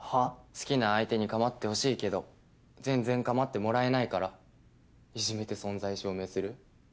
好きな相手に構ってほしいけど全然構ってもらえないからいじめて存在証明する。